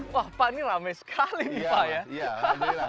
wah pak ini rame sekali nih pak ya